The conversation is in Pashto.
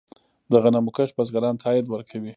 د غنمو کښت بزګرانو ته عاید ورکوي.